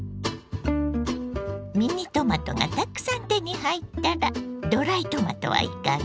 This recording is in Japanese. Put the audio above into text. ミニトマトがたくさん手に入ったらドライトマトはいかが。